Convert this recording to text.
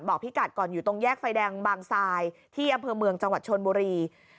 พี่กัดก่อนอยู่ตรงแยกไฟแดงบางทรายที่อำเภอเมืองจังหวัดชนบุรี